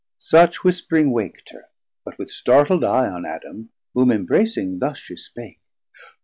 Such whispering wak'd her, but with startl'd eye On Adam, whom imbracing, thus she spake.